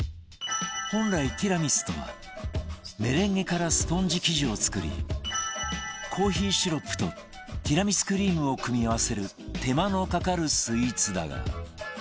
本来ティラミスとはメレンゲからスポンジ生地を作りコーヒーシロップとティラミスクリームを組み合わせる手間のかかるスイーツだが